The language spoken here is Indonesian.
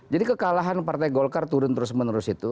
jadi kekalahan partai golkar turun terus menerus itu